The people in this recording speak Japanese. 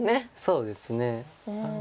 そうですね。